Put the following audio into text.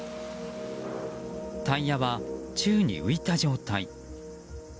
タイヤは宙に浮いた状態。